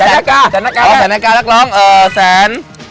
แสนหน้ากาแสนหน้ากาลักล้องเออแสน